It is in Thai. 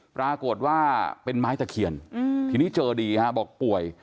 ปรากฏว่าเป็นไม้ตะเคียนทีนี้เจอดีฮะบอกป่วย